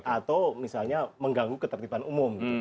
atau misalnya mengganggu ketertiban umum